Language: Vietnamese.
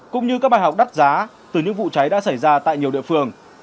cũng như các bài học đắt giá từ những vụ cháy đã xảy ra tại nhiều địa phương